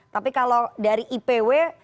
tapi kalau dari ipw itu sudah disampaikan